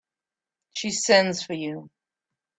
She sends for you.